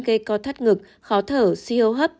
gây co thắt ngực khó thở suy hô hấp